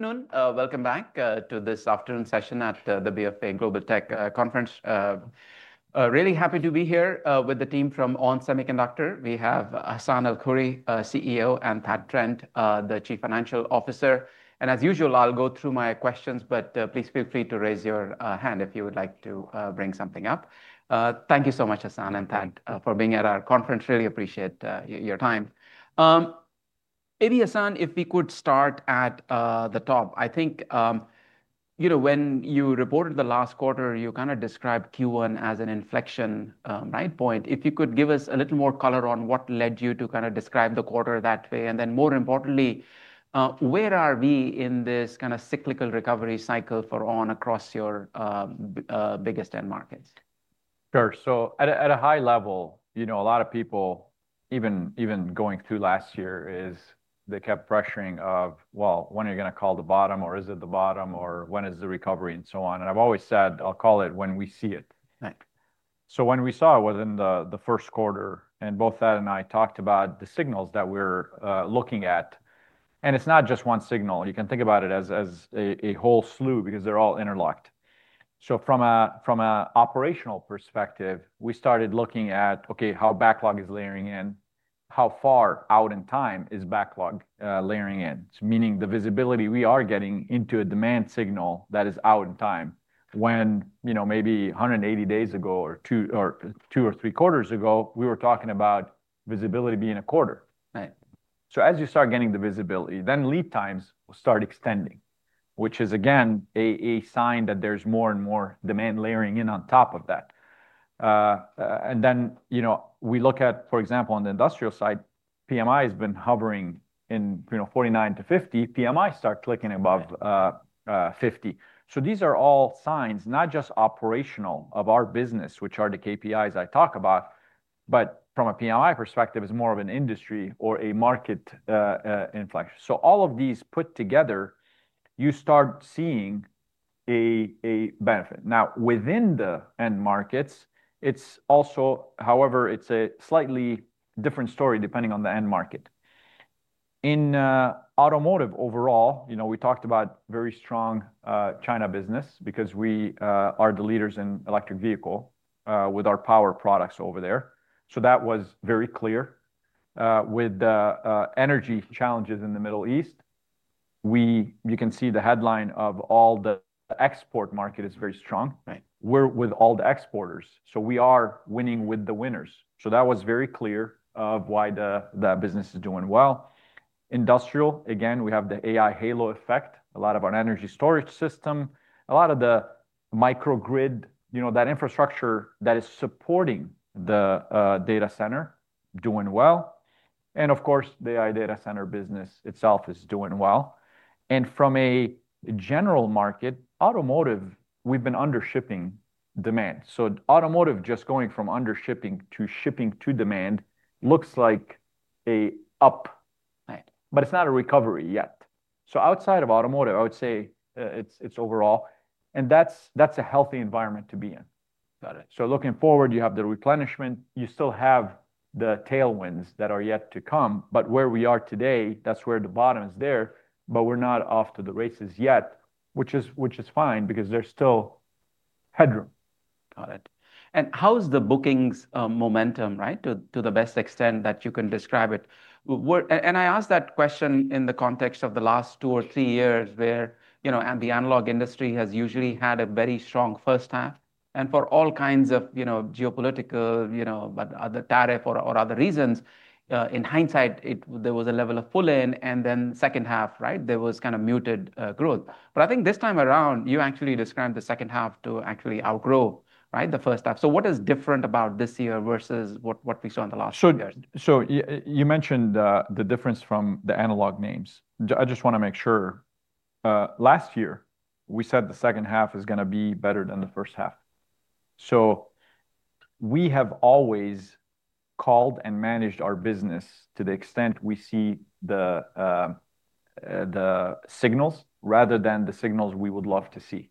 Good noon. Welcome back to this afternoon session at the BofA Global Tech Conference. Really happy to be here with the team from ON Semiconductor. We have Hassane El-Khoury, CEO, and Thad Trent, the Chief Financial Officer. As usual, I'll go through my questions, but please feel free to raise your hand if you would like to bring something up. Thank you so much, Hassane and Thad, for being at our conference. Really appreciate your time. Maybe, Hassane, if we could start at the top. I think, when you reported the last quarter, you described Q1 as an inflection point. If you could give us a little more color on what led you to describe the quarter that way, then more importantly, where are we in this cyclical recovery cycle for ON across your biggest end markets? Sure. At a high level, a lot of people, even going through last year, they kept pressuring of, well, when are you going to call the bottom or, is it the bottom or, when is the recovery, and so on. I've always said, I'll call it when we see it. Right. When we saw it was in the first quarter, both Thad and I talked about the signals that we're looking at, and it's not just one signal. You can think about it as a whole slew because they're all interlocked. From an operational perspective, we started looking at, okay, how backlog is layering in? How far out in time is backlog layering in? Meaning the visibility we are getting into a demand signal that is out in time when, maybe 180 days ago, or two or three quarters ago, we were talking about visibility being a quarter. Right. As you start getting the visibility, then lead times will start extending, which is again, a sign that there's more and more demand layering in on top of that. We look at, for example, on the industrial side, PMI has been hovering in 49 to 50. PMIs start clicking above. Right 50. These are all signs, not just operational of our business, which are the KPIs I talk about, but from a PMI perspective, it's more of an industry or a market inflection. All of these put together, you start seeing a benefit. Now, within the end markets, however, it's a slightly different story depending on the end market. In automotive overall, we talked about very strong China business because we are the leaders in electric vehicle with our power products over there. That was very clear. With energy challenges in the Middle East, you can see the headline of all the export market is very strong. Right. We're with all the exporters, we are winning with the winners. That was very clear of why the business is doing well. Industrial, again, we have the AI halo effect, a lot of our energy storage system, a lot of the microgrid, that infrastructure that is supporting the data center doing well, and of course, the AI data center business itself is doing well. From a general market, automotive, we've been under-shipping demand. Automotive just going from under-shipping to shipping to demand looks like an up. Right. It's not a recovery yet. Outside of automotive, I would say it's overall, and that's a healthy environment to be in. Got it. Looking forward, you have the replenishment, you still have the tailwinds that are yet to come, but where we are today, that's where the bottom is there, but we're not off to the races yet, which is fine because there's still headroom. Got it. How's the bookings momentum, to the best extent that you can describe it? I ask that question in the context of the last two or three years, where the analog industry has usually had a very strong first half. For all kinds of geopolitical, but other tariff or other reasons, in hindsight, there was a level of pull-in, and then second half, there was muted growth. I think this time around, you actually described the second half to actually outgrow the first half. What is different about this year versus what we saw in the last few years? You mentioned the difference from the analog names. I just want to make sure. Last year, we said the second half is going to be better than the first half. We have always called and managed our business to the extent we see the signals rather than the signals we would love to see.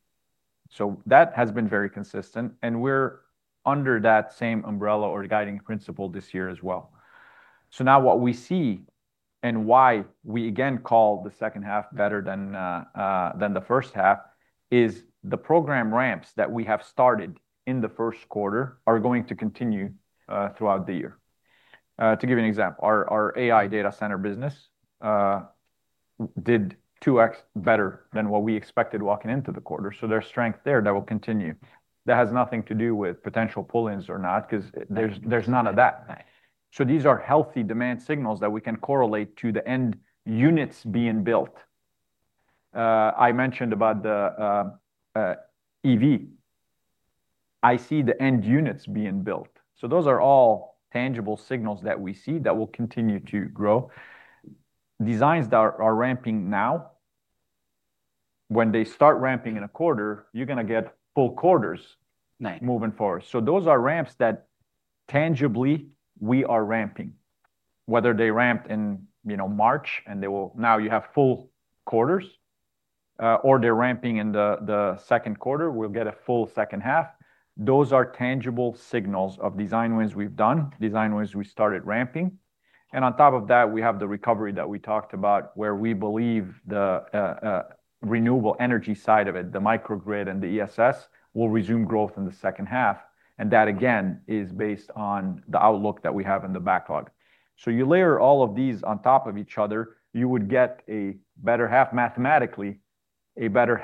That has been very consistent, and we're under that same umbrella or guiding principle this year as well. Now what we see and why we again call the second half better than the first half is the program ramps that we have started in the first quarter are going to continue throughout the year. To give you an example, our AI data center business did 2x better than what we expected walking into the quarter. There's strength there that will continue. That has nothing to do with potential pull-ins or not, because there's none of that. Right. These are healthy demand signals that we can correlate to the end units being built. I mentioned about the EV. I see the end units being built. Those are all tangible signals that we see that will continue to grow. Designs that are ramping now, when they start ramping in a quarter, you're going to get full quarters. Right Moving forward. Those are ramps that tangibly we are ramping. Whether they ramped in March and now you have full quarters, or they're ramping in the second quarter, we'll get a full second half. Those are tangible signals of design wins we've done, design wins we started ramping. On top of that, we have the recovery that we talked about where we believe the renewable energy side of it, the microgrid and the ESS, will resume growth in the second half. That, again, is based on the outlook that we have in the backlog. You layer all of these on top of each other, you would get a better half mathematically, a better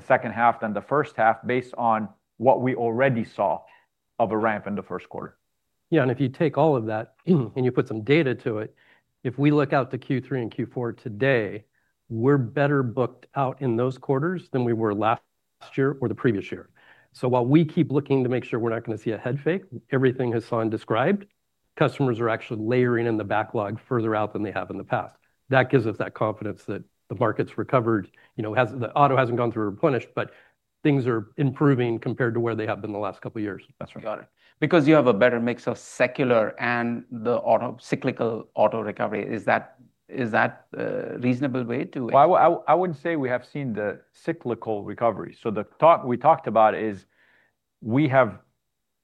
second half than the first half based on what we already saw of a ramp in the first quarter. Yeah, if you take all of that and you put some data to it, if we look out to Q3 and Q4 today, we're better booked out in those quarters than we were last year or the previous year. While we keep looking to make sure we're not going to see a head fake, everything Hassane described, customers are actually layering in the backlog further out than they have in the past. That gives us that confidence that the market's recovered. The auto hasn't gone through replenished, but things are improving compared to where they have been the last couple of years. That's right. Got it. Because you have a better mix of secular and the cyclical auto recovery. Is that a reasonable way to. Well, I wouldn't say we have seen the cyclical recovery. We talked about is we have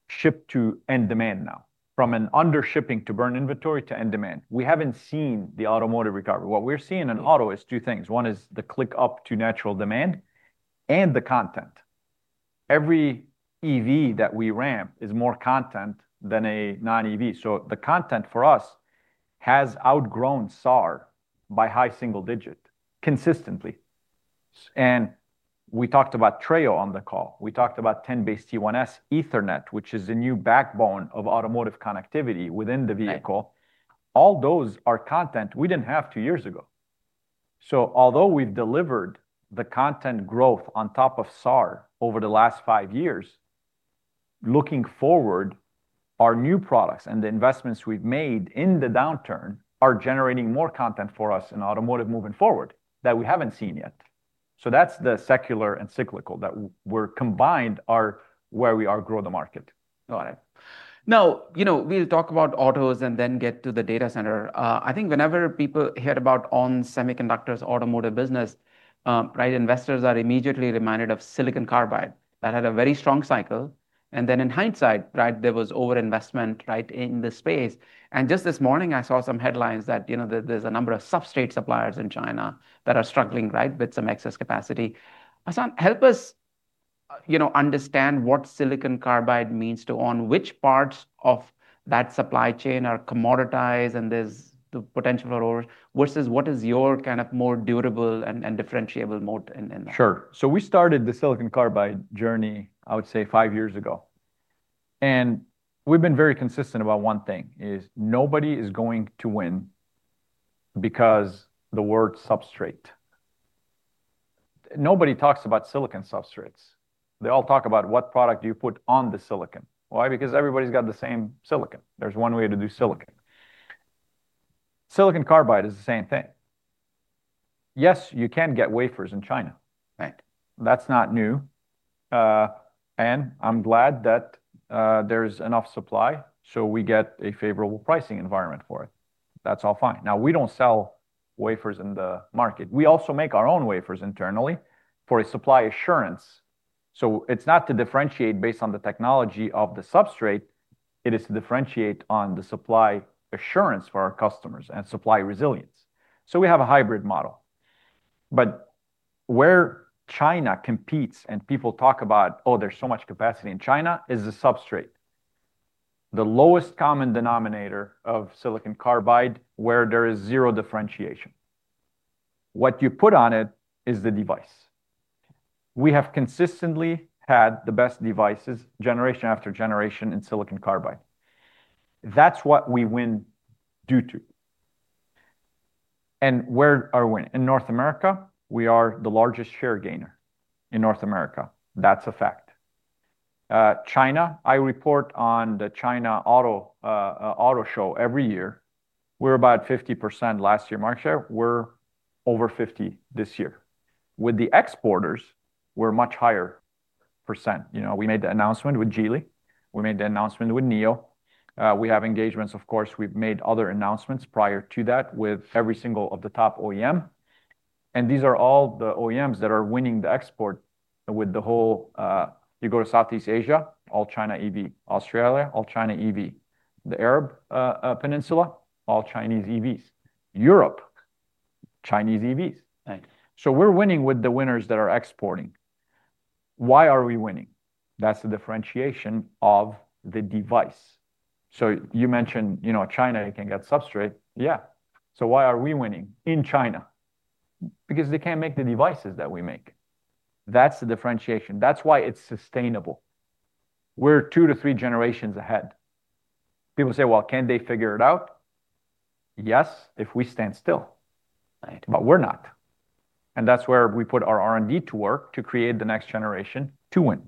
shipped to end demand now. From an under shipping to burn inventory to end demand. We haven't seen the automotive recovery. What we're seeing in auto is two things. One is the click up to natural demand and the content. Every EV that we ramp is more content than a non-EV. The content for us has outgrown SAAR by high single digit consistently. We talked about Treo on the call. We talked about 10BASE-T1S Ethernet, which is the new backbone of automotive connectivity within the vehicle. Right. All those are content we didn't have two years ago. Although we've delivered the content growth on top of SAAR over the last five years, looking forward, our new products and the investments we've made in the downturn are generating more content for us in automotive moving forward that we haven't seen yet. That's the secular and cyclical that were combined are where we outgrow the market. Got it. Now, we'll talk about autos and then get to the data center. I think whenever people hear about ON Semiconductor's automotive business, investors are immediately reminded of silicon carbide. That had a very strong cycle, and then in hindsight, there was overinvestment in the space. Just this morning, I saw some headlines that there's a number of substrate suppliers in China that are struggling with some excess capacity. Hassane, help us understand what silicon carbide means to ON, which parts of that supply chain are commoditized and there's the potential for orders, versus what is your more durable and differentiable moat in that? Sure. We started the silicon carbide journey, I would say, five years ago. We've been very consistent about one thing, is nobody is going to win because the word substrate. Nobody talks about silicon substrates. They all talk about what product you put on the silicon. Why? Because everybody's got the same silicon. There's one way to do silicon. Silicon carbide is the same thing. Yes, you can get wafers in China. Right. That's not new. I'm glad that there's enough supply, so we get a favorable pricing environment for it. That's all fine. Now, we don't sell wafers in the market. We also make our own wafers internally for a supply assurance. It's not to differentiate based on the technology of the substrate, it is to differentiate on the supply assurance for our customers and supply resilience. We have a hybrid model, but where China competes and people talk about, oh, there's so much capacity in China, is the substrate. The lowest common denominator of silicon carbide, where there is zero differentiation. What you put on it is the device. We have consistently had the best devices, generation after generation, in silicon carbide. That's what we win due to. Where are we winning? In North America, we are the largest share gainer in North America. That's a fact. China, I report on the China Auto Show every year. We're about 50% last year market share. We're over 50 this year. With the exporters, we're much higher percent. We made the announcement with Geely. We made the announcement with NIO. We have engagements, of course, we've made other announcements prior to that with every single of the top OEM. These are all the OEMs that are winning the export. You go to Southeast Asia, all China EV. Australia, all China EV. The Arab Peninsula, all Chinese EVs. Europe, Chinese EVs. Right. We're winning with the winners that are exporting. Why are we winning? That's the differentiation of the device. You mentioned China can get substrate. Yeah. Why are we winning in China? Because they can't make the devices that we make. That's the differentiation. That's why it's sustainable. We're two to three generations ahead. People say, well, can't they figure it out? Yes, if we stand still. Right. We're not. That's where we put our R&D to work to create the next generation to win.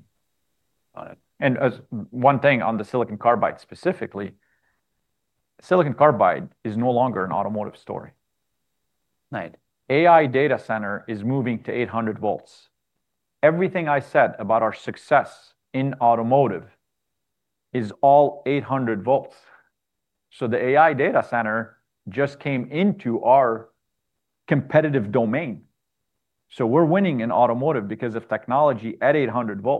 Got it. One thing on the silicon carbide specifically, silicon carbide is no longer an automotive story. Right. AI data center is moving to 800 V. Everything I said about our success in automotive is all 800 V. The AI data center just came into our competitive domain. We're winning in automotive because of technology at 800 V.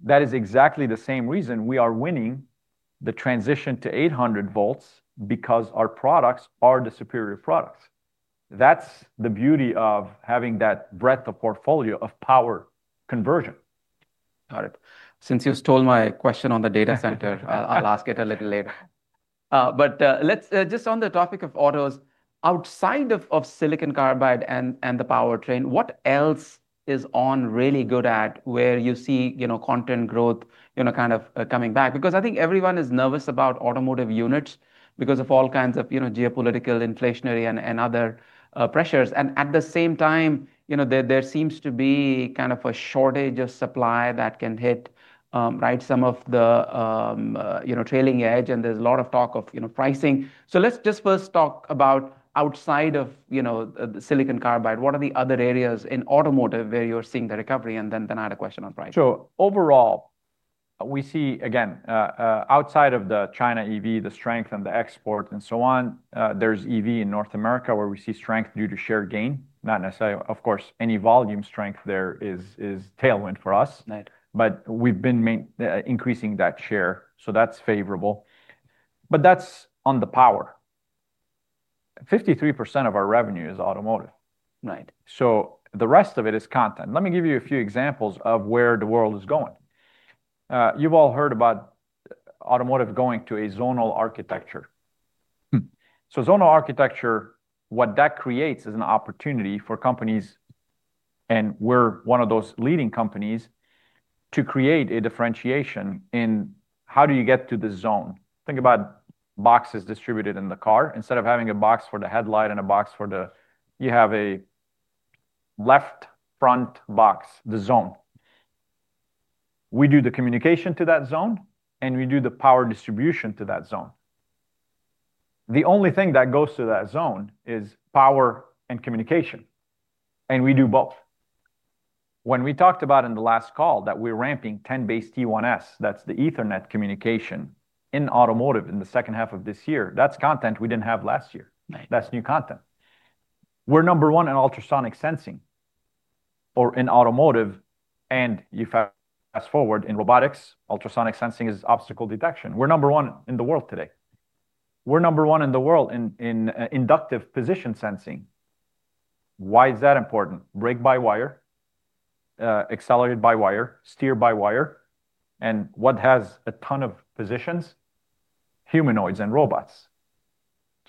That is exactly the same reason we are winning the transition to 800 V, because our products are the superior products. That's the beauty of having that breadth of portfolio of power conversion. Got it. Since you stole my question on the data center, I'll ask it a little later. Just on the topic of autos, outside of silicon carbide and the powertrain, what else is On really good at where you see content growth coming back? I think everyone is nervous about automotive units because of all kinds of geopolitical, inflationary, and other pressures. At the same time, there seems to be a shortage of supply that can hit some of the trailing edge, and there's a lot of talk of pricing. Let's just first talk about outside of silicon carbide, what are the other areas in automotive where you're seeing the recovery, and then I had a question on pricing. Overall, we see, again, outside of the China EV, the strength and the export and so on. There's EV in North America, where we see strength due to share gain. Of course, any volume strength there is tailwind for us. Right. We've been increasing that share, so that's favorable. That's on the power. 53% of our revenue is automotive. Right. The rest of it is content. Let me give you a few examples of where the world is going. You've all heard about automotive going to a zonal architecture. Zonal architecture, what that creates is an opportunity for companies, and we're one of those leading companies, to create a differentiation in how do you get to the zone? Think about boxes distributed in the car. Instead of having a box for the headlight and box for the, you have a left front box, the zone. We do the communication to that zone, and we do the power distribution to that zone. The only thing that goes to that zone is power and communication, and we do both. When we talked about in the last call that we're ramping 10BASE-T1S, that's the Ethernet communication in automotive in the second half of this year, that's content we didn't have last year. Right. That's new content. We're number one in ultrasonic sensing or in automotive. You fast-forward in robotics, ultrasonic sensing is obstacle detection. We're number one in the world today. We're number one in the world in inductive position sensing. Why is that important? Brake-by-wire, accelerate-by-wire, steer-by-wire. What has a ton of positions? Humanoids and robots.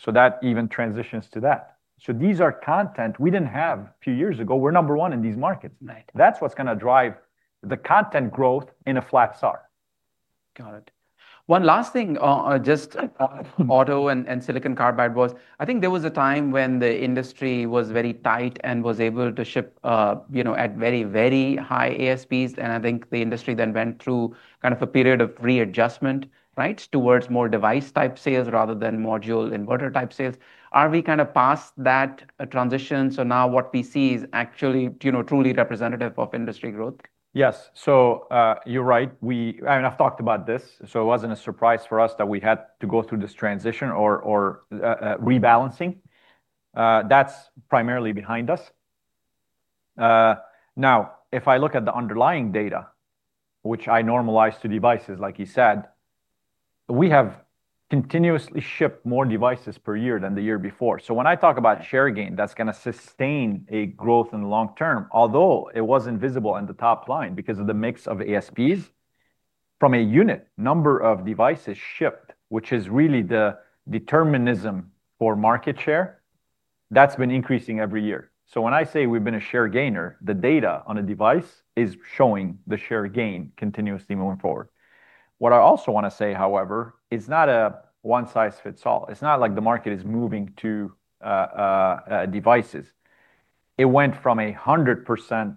That even transitions to that. These are content we didn't have a few years ago. We're number one in these markets. Right. That's what's going to drive the content growth in a flat SAAR. Got it. One last thing, auto and silicon carbide was, I think there was a time when the industry was very tight and was able to ship at very, very high ASPs. I think the industry went through a period of readjustment towards more device-type sales rather than module inverter-type sales. Are we past that transition, now what we see is actually truly representative of industry growth? Yes. You're right. I've talked about this, so it wasn't a surprise for us that we had to go through this transition or rebalancing. That's primarily behind us. If I look at the underlying data, which I normalize to devices, like you said, we have continuously shipped more devices per year than the year before. When I talk about share gain, that's going to sustain a growth in the long term, although it wasn't visible in the top line because of the mix of ASPs. From a unit number of devices shipped, which is really the determinism for market share, that's been increasing every year. When I say we've been a share gainer, the data on a device is showing the share gain continuously moving forward. What I also want to say, however, it's not a one size fits all. It's not like the market is moving to devices. It went from 100%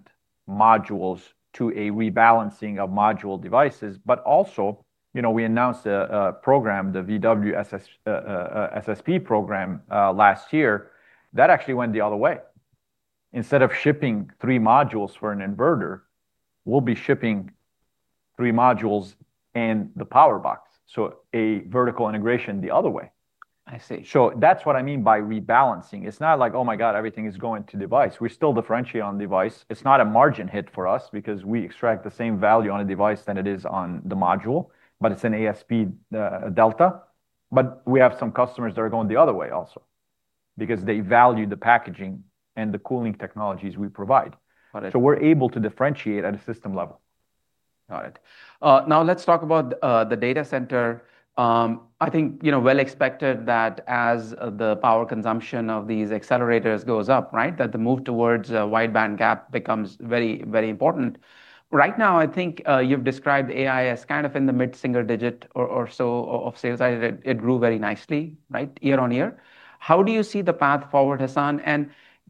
modules to a rebalancing of module devices. Also, we announced a program, the VW's SSP program, last year. That actually went the other way. Instead of shipping three modules for an inverter, we'll be shipping three modules and the power box. So a vertical integration the other way. I see. That's what I mean by rebalancing. It's not like, oh my God, everything is going to device. We still differentiate on device. It's not a margin hit for us because we extract the same value on a device than it is on the module, but it's an ASP delta. We have some customers that are going the other way also, because they value the packaging and the cooling technologies we provide. Got it. We're able to differentiate at a system level. Got it. Let's talk about the data center. I think well expected that as the power consumption of these accelerators goes up, that the move towards a wide bandgap becomes very important. Right now, I think you've described AI as in the mid-single digit or so of sales. It grew very nicely year-on-year. How do you see the path forward,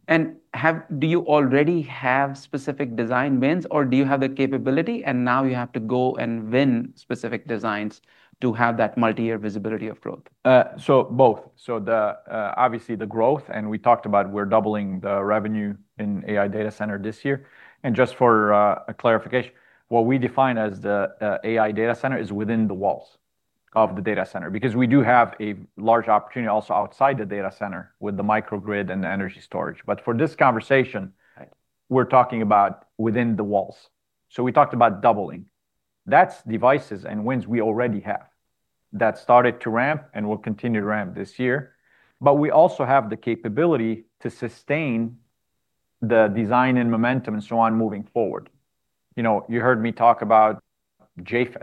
Hassane? Do you already have specific design wins, or do you have the capability and now you have to go and win specific designs to have that multi-year visibility of growth? Both. Obviously the growth, and we talked about we're doubling the revenue in AI data center this year. Just for clarification, what we define as the AI data center is within the walls of the data center, because we do have a large opportunity also outside the data center with the microgrid and the energy storage. For this conversation. Right. We're talking about within the walls. We talked about doubling. That's devices and wins we already have. That started to ramp and will continue to ramp this year, but we also have the capability to sustain the design and momentum and so on moving forward. You heard me talk about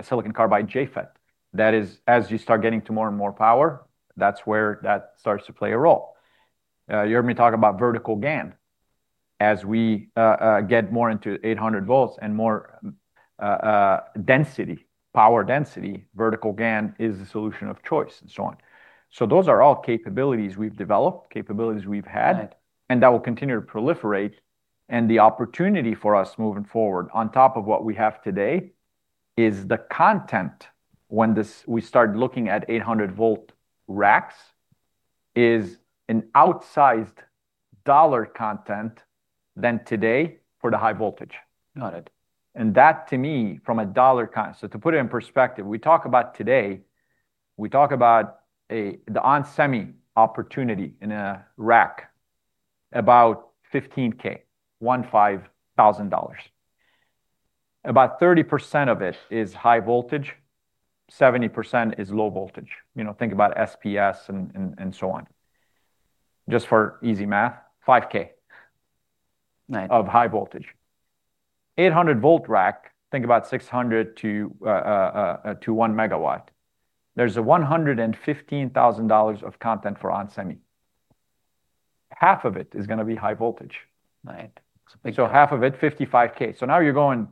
silicon carbide JFET. That is, as you start getting to more and more power, that's where that starts to play a role. You heard me talk about vertical GaN. As we get more into 800 V and more density, power density, vertical GaN is the solution of choice, and so on. Those are all capabilities we've developed, capabilities we've had- Right. That will continue to proliferate. The opportunity for us moving forward, on top of what we have today, is the content when we start looking at 800 V racks, is an outsized dollar content than today for the high voltage. Got it. That, to me, from a dollar, to put it in perspective, we talk about today, we talk about the onsemi opportunity in a rack about $15,000, $15,000. About 30% of it is high voltage, 70% is low voltage. Think about SPS and so on. Just for easy math, $5,000. Right. Of high voltage. 800 V rack, think about 600 kW to 1 MW. There's $115,000 of content for onsemi. Half of it is going to be high voltage. Right. It's a big jump. Half of it, $55,000. Now you're going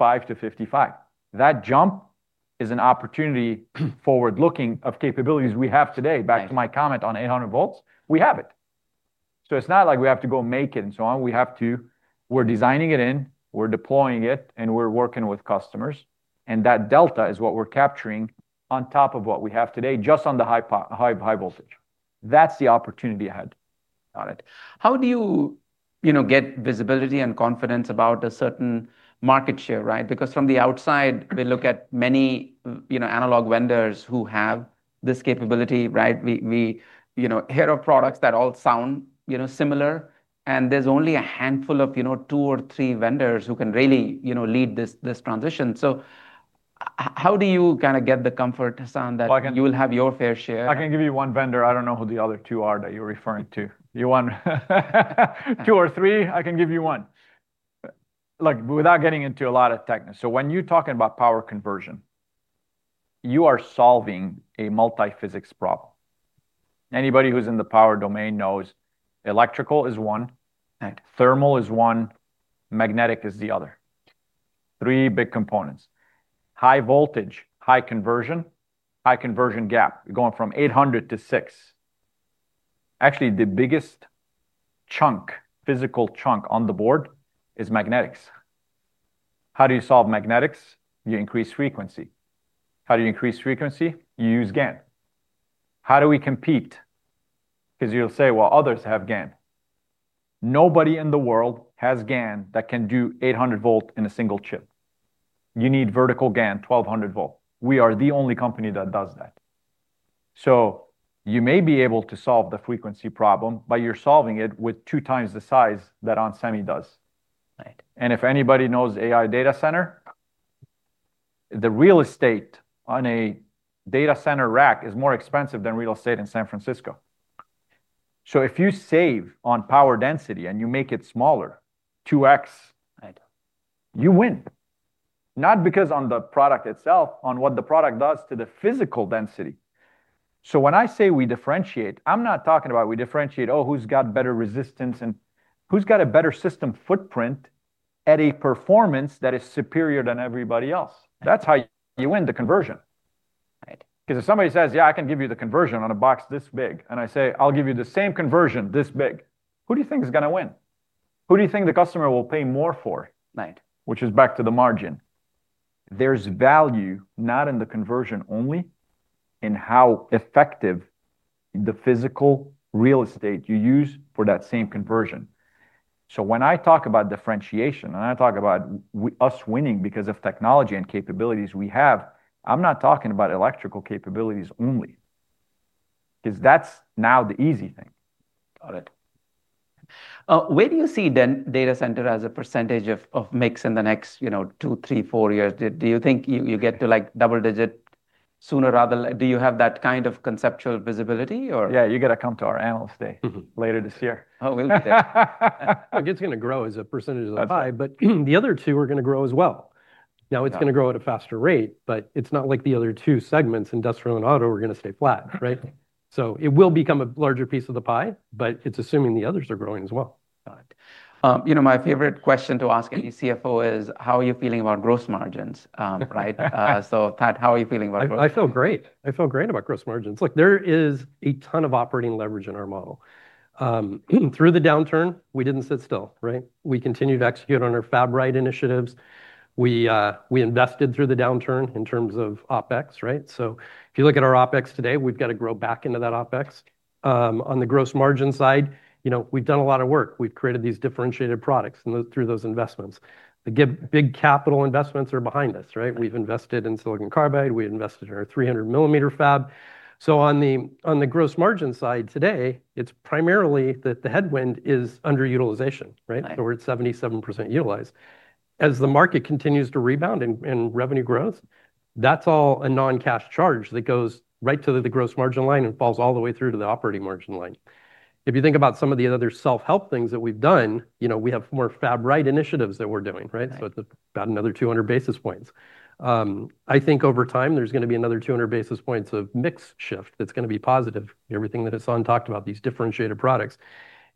$5,000 to $55,000. That jump is an opportunity forward looking of capabilities we have today. Back to my comment on 800 V, we have it. It's not like we have to go make it and so on. We're designing it in, we're deploying it, and we're working with customers, and that delta is what we're capturing on top of what we have today, just on the high voltage. That's the opportunity ahead. Got it. How do you get visibility and confidence about a certain market share, right? From the outside, we look at many analog vendors who have this capability, right? We hear of products that all sound similar, and there's only a handful of two or three vendors who can really lead this transition. How do you get the comfort, Hassane, that. Well. You will have your fair share? I can give you one vendor. I don't know who the other two are that you're referring to. Two or three? I can give you one. Look, without getting into a lot of technical. When you're talking about power conversion, you are solving a multi-physics problem. Anybody who's in the power domain knows electrical is one. Right Thermal is one, magnetic is the other. Three big components. High voltage, high conversion, high conversion gap. You're going from 800 to six. Actually, the biggest chunk, physical chunk on the board is magnetics. How do you solve magnetics? You increase frequency. How do you increase frequency? You use GaN. How do we compete? You'll say, well, others have GaN. Nobody in the world has GaN that can do 800 V in a single chip. You need vertical GaN, 1,200 V. We are the only company that does that. You may be able to solve the frequency problem, but you're solving it with 2x the size that onsemi does. Right. If anybody knows AI data center, the real estate on a data center rack is more expensive than real estate in San Francisco. If you save on power density and you make it smaller, 2x. Right You win. Not because on the product itself, on what the product does to the physical density. When I say we differentiate, I'm not talking about we differentiate, oh, who's got better resistance. Who's got a better system footprint at a performance that is superior than everybody else? That's how you win the conversion. Right. If somebody says, yeah, I can give you the conversion on a box this big, and I say, I'll give you the same conversion this big, who do you think is going to win? Who do you think the customer will pay more for? Right. Which is back to the margin. There's value not in the conversion only, in how effective the physical real estate you use for that same conversion. When I talk about differentiation, and I talk about us winning because of technology and capabilities we have, I'm not talking about electrical capabilities only, because that's now the easy thing. Got it. Where do you see data center as a percentage of mix in the next two, three, four years? Do you think you get to double-digit sooner? Do you have that kind of conceptual visibility, or? Yeah, you got to come to our analyst day later this year. Oh, we'll be there. It's going to grow as a percentage of the pie, but the other two are going to grow as well. Now, it's going to grow at a faster rate, but it's not like the other two segments, industrial and auto, are going to stay flat, right? It will become a larger piece of the pie, but it's assuming the others are growing as well. My favorite question to ask any CFO is, how are you feeling about gross margins? Right? Thad, how are you feeling about gross? I feel great. I feel great about gross margins. There is a ton of operating leverage in our model. Through the downturn, we didn't sit still, right? We continued to execute on our Fab Right initiatives. We invested through the downturn in terms of OpEx, right? If you look at our OpEx today, we've got to grow back into that OpEx. On the gross margin side, we've done a lot of work. We've created these differentiated products through those investments. The big capital investments are behind us, right? We've invested in silicon carbide. We invested in our 300 mm fab. On the gross margin side today, it's primarily that the headwind is underutilization, right? Right. We're at 77% utilized. As the market continues to rebound in revenue growth, that's all a non-cash charge that goes right to the gross margin line and falls all the way through to the operating margin line. If you think about some of the other self-help things that we've done, we have more Fab Right initiatives that we're doing, right? Right. It's about another 200 basis points. I think over time there's going to be another 200 basis points of mix shift that's going to be positive. Everything that Hassane talked about, these differentiated products.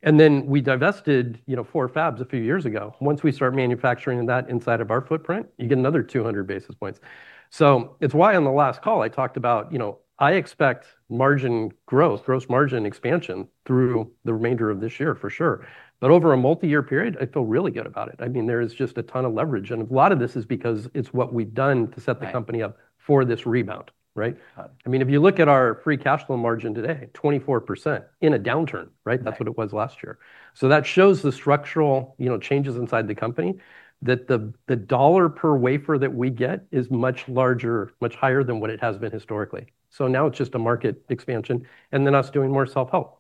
Then we divested four fabs a few years ago. Once we start manufacturing that inside of our footprint, you get another 200 basis points. It's why on the last call I talked about, I expect margin growth, gross margin expansion through the remainder of this year for sure. Over a multi-year period, I feel really good about it. There is just a ton of leverage, and a lot of this is because it's what we've done to set the company up for this rebound, right? Right. If you look at our free cash flow margin today, 24% in a downturn, right? Right. That's what it was last year. That shows the structural changes inside the company that the dollar per wafer that we get is much larger, much higher than what it has been historically. Now it's just a market expansion and then us doing more self-help.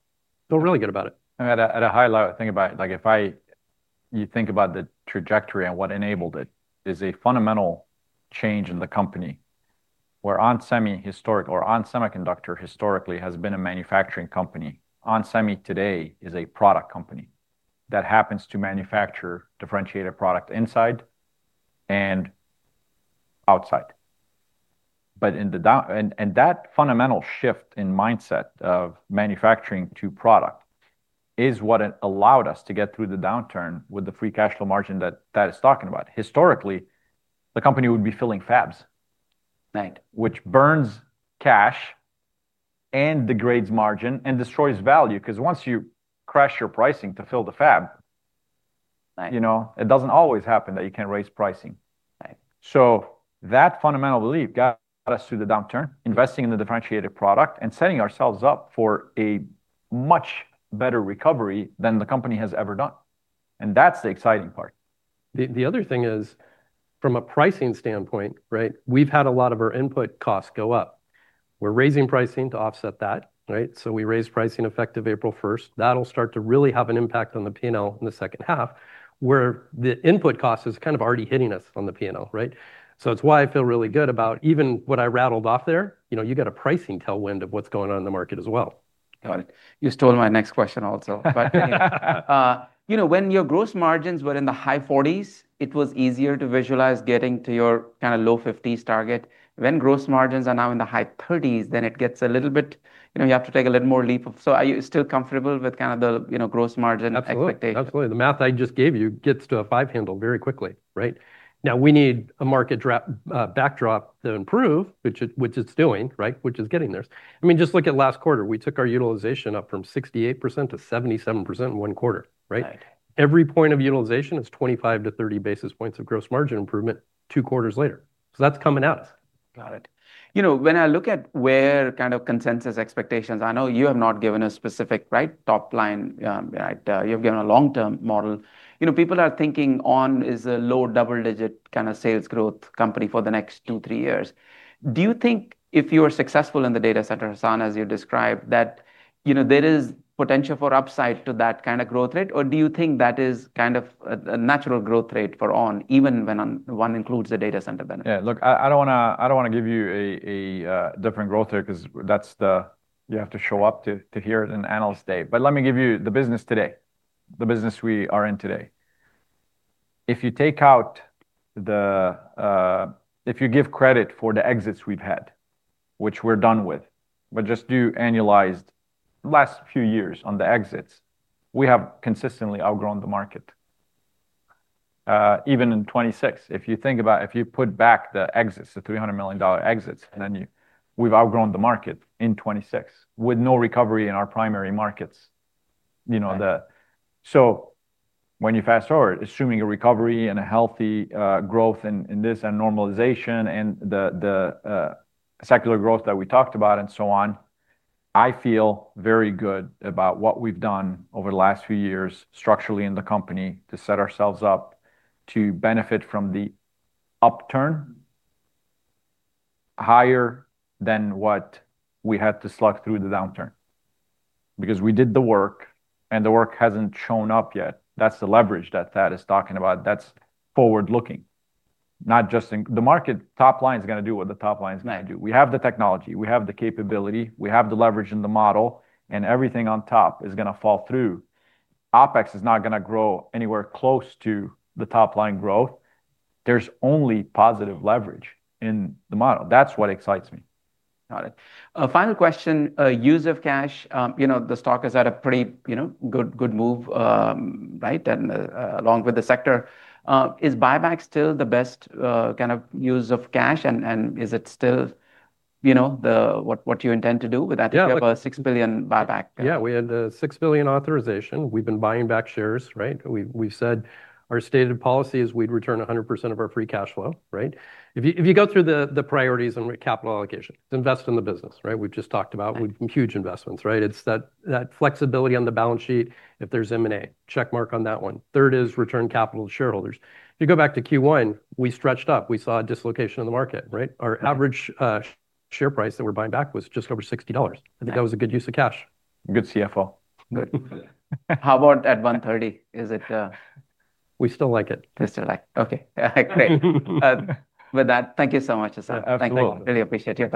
Feel really good about it. At a high level, think about it, if you think about the trajectory and what enabled it is a fundamental change in the company where ON Semiconductor historically has been a manufacturing company. onsemi today is a product company that happens to manufacture differentiated product inside and outside. That fundamental shift in mindset of manufacturing to product is what allowed us to get through the downturn with the free cash flow margin that Thad is talking about. Historically, the company would be filling fabs. Right. Which burns cash and degrades margin and destroys value, because once you crash your pricing to fill the fab. Right it doesn't always happen that you can raise pricing. Right. That fundamental belief got us through the downturn, investing in the differentiated product, and setting ourselves up for a much better recovery than the company has ever done, and that's the exciting part. The other thing is, from a pricing standpoint, right, we've had a lot of our input costs go up. We're raising pricing to offset that, right? We raised pricing effective April 1st. That'll start to really have an impact on the P&L in the second half, where the input cost is kind of already hitting us on the P&L, right? It's why I feel really good about even what I rattled off there. You get a pricing tailwind of what's going on in the market as well. Got it. You stole my next question also. When your gross margins were in the high 40s, it was easier to visualize getting to your kind of low 50s target. When gross margins are now in the high 30s, then it gets a little bit, you have to take a little more leap. Are you still comfortable with kind of the gross margin expectation? Absolutely. Absolutely. The math I just gave you gets to a five handle very quickly, right? Now, we need a market backdrop to improve, which it's doing, right? Which is getting there. Just look at last quarter, we took our utilization up from 68% to 77% in one quarter, right? Right. Every point of utilization is 25 to 30 basis points of gross margin improvement two quarters later. That's coming at us. Got it. When I look at where kind of consensus expectations, I know you have not given a specific right top line. You've given a long-term model. People are thinking ON is a low double-digit kind of sales growth company for the next two, three years. Do you think if you are successful in the data center, Hassane, as you described, that there is potential for upside to that kind of growth rate, or do you think that is kind of a natural growth rate for ON, even when one includes the data center benefit? Yeah, look, I don't want to give you a different growth rate because you have to show up to hear it in Analyst Day. Let me give you the business today, the business we are in today. If you give credit for the exits we've had, which we're done with, but just do annualized last few years on the exits, we have consistently outgrown the market. Even in 2026, if you think about it, if you put back the exits, the $300 million exits, we've outgrown the market in 2026 with no recovery in our primary markets. Right. When you fast-forward, assuming a recovery and a healthy growth in this and normalization and the secular growth that we talked about and so on, I feel very good about what we've done over the last few years structurally in the company to set ourselves up to benefit from the upturn higher than what we had to slug through the downturn. We did the work, and the work hasn't shown up yet. That's the leverage that Thad is talking about. That's forward-looking, not just in the market. Top line's going to do what the top line's going to do. We have the technology, we have the capability, we have the leverage in the model, and everything on top is going to fall through. OpEx is not going to grow anywhere close to the top-line growth. There's only positive leverage in the model. That's what excites me. Got it. Final question. Use of cash. The stock has had a pretty good move, right, and along with the sector. Is buyback still the best kind of use of cash, and is it still what you intend to do with that? Yeah. You have a $6 billion buyback. Yeah, we had the $6 billion authorization. We've been buying back shares, right? We've said our stated policy is we'd return 100% of our free cash flow, right? If you go through the priorities on capital allocation, invest in the business, right? We've just talked about huge investments, right? It's that flexibility on the balance sheet if there's M&A. Check mark on that one. Third is return capital to shareholders. If you go back to Q1, we stretched up. We saw a dislocation in the market, right? Our average share price that we're buying back was just over $60. I think that was a good use of cash. Good CFO. Good. How about at $130? Is it We still like it. You still like. Okay, great. With that, thank you so much, Hassane. Absolutely. Thank you. Really appreciate your time.